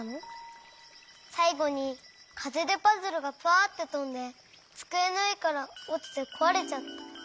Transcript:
さいごにかぜでパズルがパァってとんでつくえのうえからおちてこわれちゃった。